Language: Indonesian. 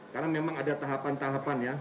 karena memang ada tahapan tahapan ya